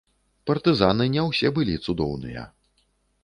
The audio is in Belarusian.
Партызаны не ўсе былі цудоўныя.